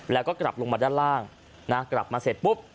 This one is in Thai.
แล้วก็กลับลงมาด้านล่างนะกลับมาเสร็จปุ๊บ